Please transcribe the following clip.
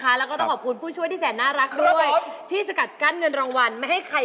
มารอขัดโครงก่อนเดี๋ยวคนที่รักก็ร้านเลย